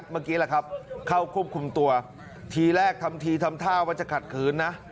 เมื่อกี้แหละครับเข้าควบคุมตัวทีแรกทำทีทำท่าว่าจะขัดขืนนะ